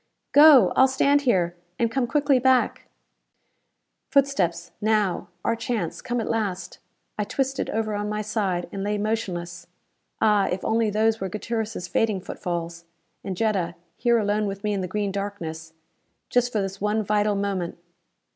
Go! I'll stand here, and come quickly back." Footsteps. Now! Our chance, come at last! I twisted over on my side, and lay motionless. Ah, if only those were Gutierrez' fading footfalls! And Jetta, here alone with me in the green darkness! Just for this one vital moment.